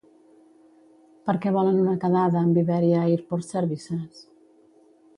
Per què volen una quedada amb Ibèria Airport Services?